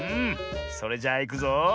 それじゃあいくぞ。